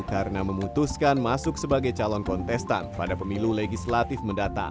karena memutuskan masuk sebagai calon kontestan pada pemilu legislatif mendatang